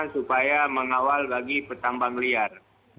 supaya mengawal bagi petambang liar